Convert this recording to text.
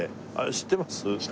知ってます。